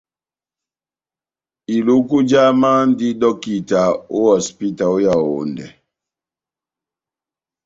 Iluku jamɛ andi dɔkita ó hosipita ó Yaondɛ.